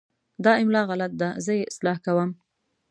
دا املا غلط ده، زه یې اصلاح کوم.